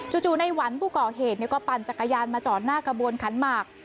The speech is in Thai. จู่ในหวันผู้ก่อเหตุก็ปั่นจักรยานมาจอดหน้ากระบวนขันหมาก